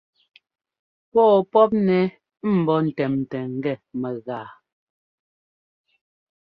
Pɔ̂ɔ pɔ́pnɛ ḿbó ńtɛ́mtɛ ngɛ mɛgaa.